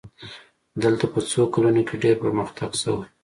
دلته په څو کلونو کې ډېر پرمختګ شوی.